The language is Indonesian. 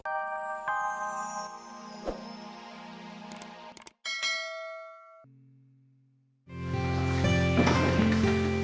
tidak ada apa apa